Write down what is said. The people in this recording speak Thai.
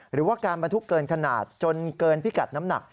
หรือว่าการบรรทุกเกินขนาดจนเกินพิกัดน้ำหนัก